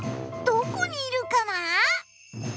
どこにいるかな？